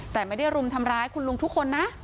แต่ไม่ได้รุมทำร้ายคุณลุงทุกคนนะ